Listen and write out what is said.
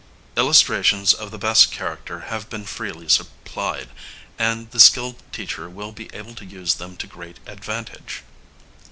Illustrations of the best character have been freely supplied, and the skilled teacher will be able to use them to great advantage.